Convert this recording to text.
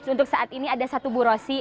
untuk saat ini ada satu bu rosi